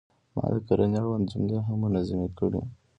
ما د کرنې اړوند جملې هم منظمې کړې.